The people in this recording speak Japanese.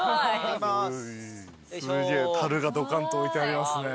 すげえたるがドカンと置いてありますね。